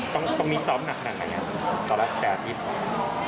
ต้องมีซ้อมหนักขนาดนั้นไงต่อละ๘อาทิตย์